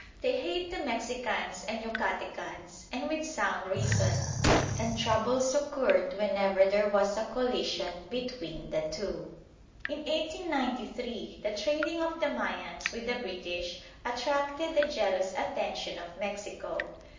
They hate the Mexicans and Yucatecans, and with sound reason; and troubles occurred whenever there was a collision between the two. In 1893 the trading of the Mayans with the British attracted the jealous attention of Mexico.